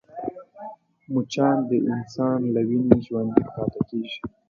مچان د انسان له وینې ژوندی پاتې کېږي